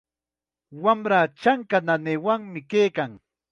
Wamraa chanka nanaywanmi kaykan.